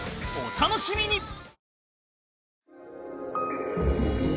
お楽しみに！